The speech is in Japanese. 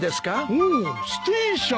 オーステーション。